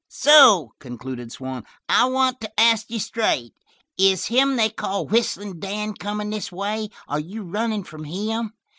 "So," concluded Swann, "I want to ask you straight. Is him they call Whistlin' Dan comin' this way? Are you runnin' from him?